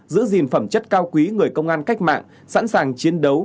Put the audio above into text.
giữ gìn phẩm chất cao quý người công an cách mạng sẵn sàng chiến đấu